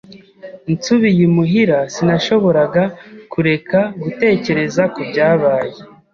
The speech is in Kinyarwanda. Nsubiye imuhira, sinashoboraga kureka gutekereza kubyabaye.